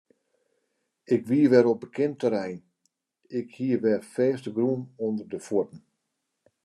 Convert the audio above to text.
Ik wie wer op bekend terrein, ik hie wer fêstegrûn ûnder de fuotten.